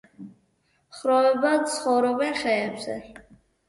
ხროვებად ცხოვრობენ ხეებზე.